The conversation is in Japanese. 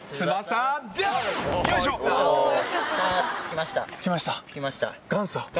着きました。